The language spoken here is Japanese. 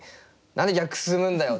「何で逆進むんだよ！